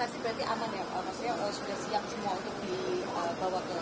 maksudnya sudah siap semua untuk dibawa ke mk